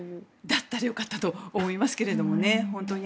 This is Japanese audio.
だったらよかったと思いますけどね。